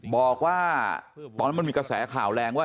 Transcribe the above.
บอกว่าตอนนั้นมันมีกระแสข่าวแรงว่า